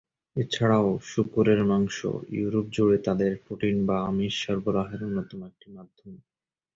এছাড়াও শূকরের মাংস ইউরোপ জুড়ে তাদের প্রোটিন বা আমিষ সরবরাহের অন্যতম একটা মাধ্যম।